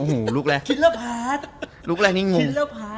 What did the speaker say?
อุ้ยลูกแรกนี่งง